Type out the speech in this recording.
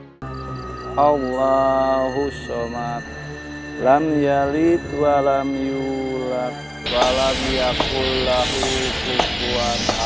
hai hai hai allahus sommat lam yalit walam yulat walamiakullahu shukruanaha